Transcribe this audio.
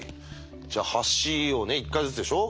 じゃあ橋をね１回ずつでしょ？